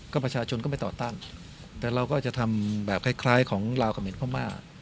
ก็ประชาชนก็ไม่ต่อตั้งแต่เราก็จะทำแบบคล้ายของลาวกับเหม็นพม่า